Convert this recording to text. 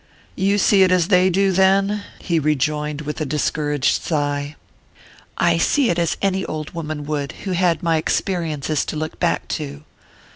"You see it as they do, then?" he rejoined with a discouraged sigh. "I see it as any old woman would, who had my experiences to look back to."